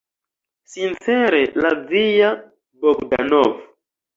Sincere la via, Bogdanov.